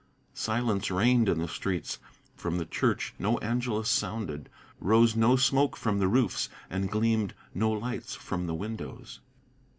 Silence reigned in the streets; from the church no Angelus sounded, Rose no smoke from the roofs, and gleamed no lights from the windows.